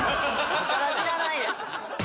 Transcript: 知らないです。